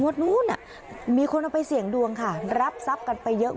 นู้นมีคนเอาไปเสี่ยงดวงค่ะรับทรัพย์กันไปเยอะ